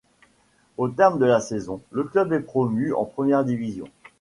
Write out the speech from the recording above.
Au terme de la saison, le club est promu en première division.